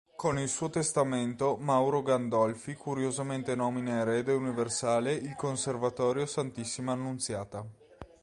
Con il suo testamento Mauro Gandolfi curiosamente nomina erede universale il Conservatorio Santissima Annunziata.